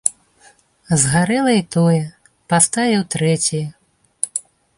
Згарэла і тое, паставіў трэцяе.